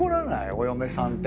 お嫁さんって。